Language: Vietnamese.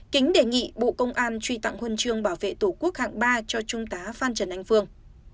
kính đề nghị bộ công an truy tặng huân chương bảo vệ tổ quốc hạng ba cho trung tá phan trần anh phương